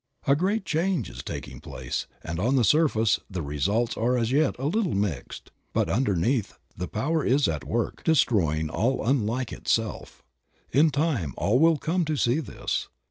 A great change is taking place, and on the surface the results are as yet a little mixed, but under neath, the power is at work destroying all unlike itself. In time all will come to see this.